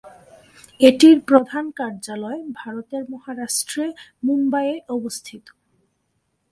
এটির প্রধান কার্যালয় ভারতের মহারাষ্ট্রে মুম্বইয়ে অবস্থিত।